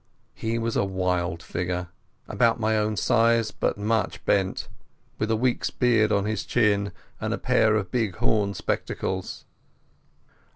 He was a wild figure, about my own size but much bent, with a week's beard on his chin, and a pair of big horn spectacles.